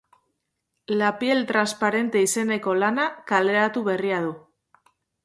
La piel transparente izeneko lana kaleratu berria du.